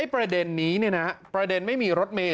ไอ้ประเด็นนี้เนี่ยนะประเด็นไม่มีรถเมย์